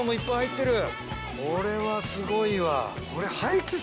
これはすごいわ。